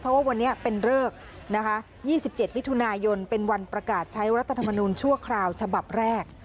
เพราะว่าวันนี้เป็นเลิกนะคะ๒๗มิถุนายนเป็นวันประกาศใช้รัฐธรรมนูญชั่วคราวฉบับแรก